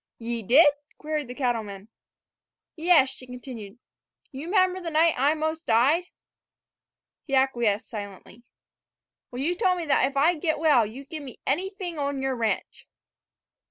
"Ye did?" queried the cattleman. "Yes," she continued. "You 'member the night I 'most died?" He acquiesced silently. "Well, you told me then that if I'd get well you'd give me anyfing on your ranch."